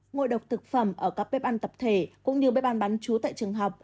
ngộ độc thực phẩm ở các bếp ăn tập thể cũng như bếp ăn bán chú tại trường học